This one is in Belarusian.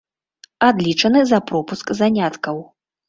Адлічаны за пропуск заняткаў.